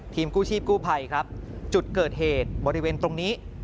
กู้ชีพกู้ภัยครับจุดเกิดเหตุบริเวณตรงนี้